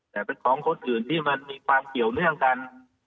แต่เป็นของคนอื่นที่มันมีความเกี่ยวเนื่องกัน